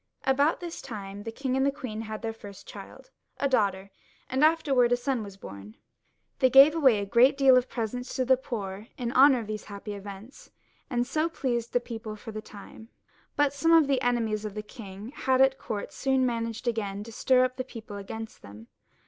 ^ About this time the king and queen had their first child, a daughter, and soon afterwards a son. They gave away a great deal in presents to the poor in honour of these happy events, and so pleased the people for a time ; l}ut some of the enemies the king had at court soon man aged to stir up the people again against him.